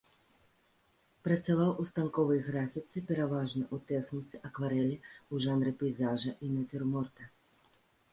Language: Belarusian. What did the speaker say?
Працаваў у станковай графіцы пераважна ў тэхніцы акварэлі ў жанры пейзажа і нацюрморта.